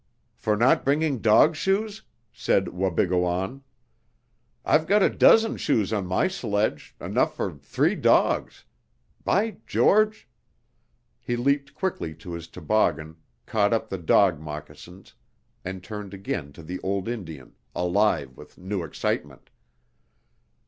"For not bringing dog shoes?" said Wabigoon. "I've got a dozen shoes on my sledge enough for three dogs. By George " He leaped quickly to his toboggan, caught up the dog moccasins, and turned again to the old Indian, alive with new excitement.